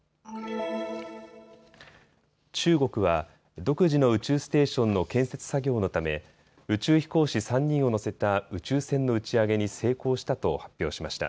中国は独自の宇宙ステーションの建設作業のため宇宙飛行士３人を乗せた宇宙船の打ち上げに成功したと発表しました。